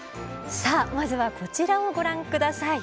さあまずはこちらをご覧ください。